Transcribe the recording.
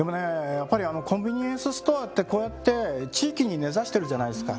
やっぱりあのコンビニエンスストアってこうやって地域に根ざしてるじゃないですか。